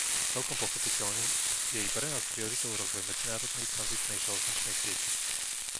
Celkom pochopiteľne je i pre nás prioritou rozvoj medzinárodnej tranzitnej železničnej siete.